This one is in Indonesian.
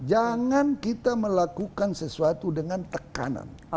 jangan kita melakukan sesuatu dengan tekanan